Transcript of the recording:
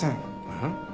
えっ？